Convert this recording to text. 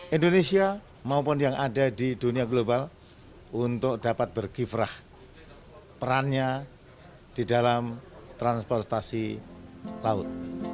indonesia maupun yang ada di dunia global untuk dapat berkiprah perannya di dalam transportasi laut